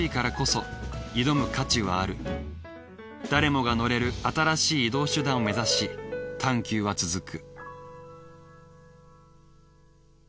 誰もが乗れる新しい移動手段を目指し探究は続く。